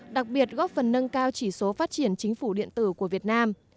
đặc biệt góp phần nâng cao chỉ số phát triển chính phủ điện tử của việt nam